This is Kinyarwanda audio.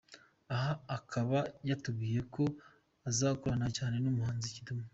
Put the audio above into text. Aha akaba yatubwiye ko azakorana cyane n’umuhanzi Kidumu.